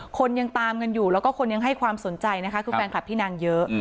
คนยังตามกันอยู่แล้วก็คนยังให้ความสนใจนะคะคือแฟนคลับพี่นางเยอะ